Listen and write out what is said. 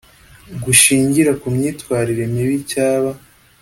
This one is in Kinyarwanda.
gushingira ku myitwarire mibi cyaba